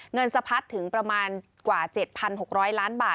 เงินสะพัดถึงประมาณกว่า๗๖๐๐ล้านบาท